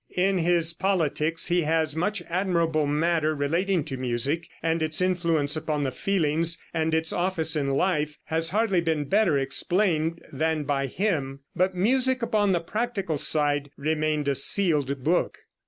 In his Politics he has much admirable matter relating to music, and its influence upon the feelings and its office in life has hardly been better explained than by him. But music upon the practical side remained a sealed book.